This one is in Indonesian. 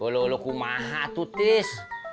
lho lho kumaha tuh tis